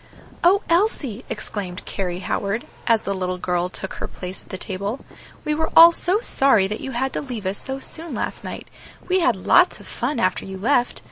"O Elsie!" exclaimed Carry Howard, as the little girl took her place at the table, "we were all so sorry that you had to leave us so soon last night; we had lots of fun after you left.